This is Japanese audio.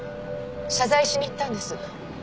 謝罪しに行ったんです。